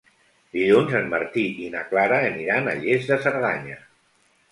Dilluns en Martí i na Clara aniran a Lles de Cerdanya.